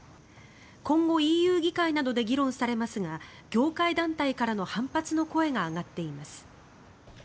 今後、ＥＵ議会などで議論されますが業界団体からの反発の声が上がっています。